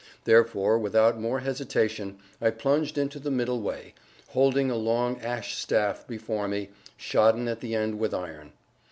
Therefore, without more hesitation, I plunged into the middle way, holding a long ash staff before me, shodden at the end with iron.